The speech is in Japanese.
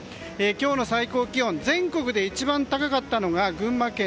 今日の最高気温全国で一番高かったのが群馬県